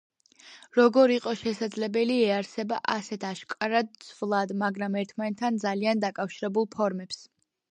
როგორ იყო შესაძლებელი ეარსება ასეთ აშკარად ცვლად, მაგრამ ერთმანეთთან ძალიან დაკავშირებულ ფორმებს.